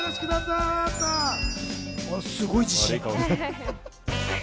すごい自信！